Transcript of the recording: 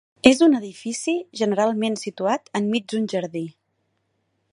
És un edifici generalment situat enmig d'un jardí.